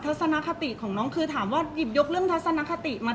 เพราะว่าสิ่งเหล่านี้มันเป็นสิ่งที่ไม่มีพยาน